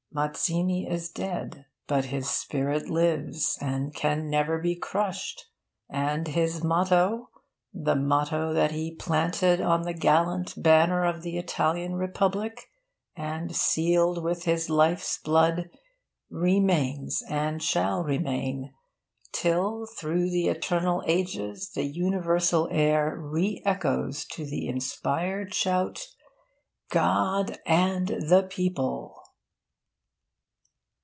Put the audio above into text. Mazzini is dead. But his spirit lives, and can never be crushed. And his motto the motto that he planted on the gallant banner of the Italian Republic, and sealed with his life's blood, remains, and shall remain, till, through the eternal ages, the universal air re echoes to the inspired shout 'GOD AND THE PEOPLE!'